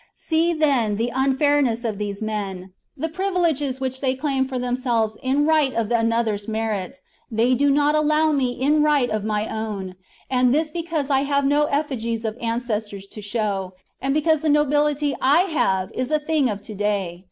See, then, the unfairness of these men. The 214 THE JUGURTHINE WAR. CHAP, privileges which they claim for themselves in right of another's merit, they do not allow me in right of my own, and this because I have no effigies of ancestors to show, and because the nobility I have is a thing of to day.